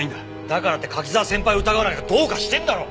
だからって柿沢先輩を疑うなんてどうかしてんだろ！